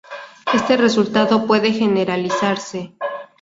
Este resultado puede generalizarse.